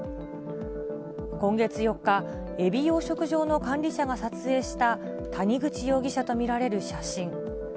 今月４日、エビ養殖場の管理者が撮影した、谷口容疑者と見られる写真。